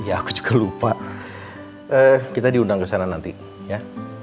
iya aku juga lupa kita diundang kesana nanti ya